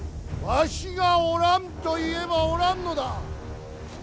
わしがおらんと言えばおらんのだ。